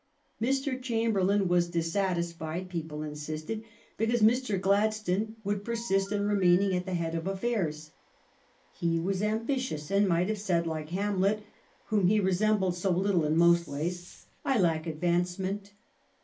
Mr. Chamberlain was dissatisfied, people insisted, because Mr. Gladstone would persist in remaining at the head of affairs. He was ambitious and might have said, like Hamlet, whom he resem bled so little in most ways, " I lack advancement."